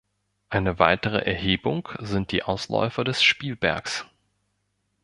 Eine weitere Erhebung sind die Ausläufer des Spielbergs.